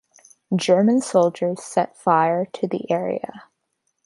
German soldiers set fire to the area.